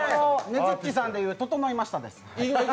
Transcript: ねずっちさんで言う整いましたです。